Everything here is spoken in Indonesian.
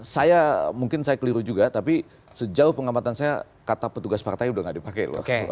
saya mungkin saya keliru juga tapi sejauh pengamatan saya kata petugas partai udah gak dipakai